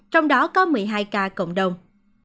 trong đó có một mươi hai ca cộng đồng